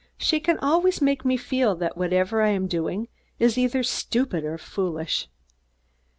She can always make me feel that whatever I am doing is either stupid or foolish.